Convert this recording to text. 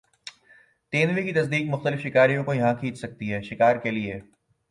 تیندوے کی تصدیق مختلف شکاریوں کو یہاں کھینچ سکتی ہے شکار کے لیے